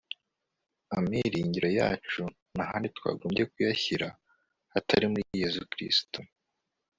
amiringiro yacu nta handi twagombye kuyashyira hatari muri yezu kristu